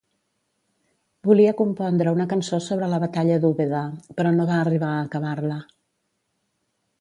Volia compondre una cançó sobre la batalla d'Úbeda, però no va arribar a acabar-la.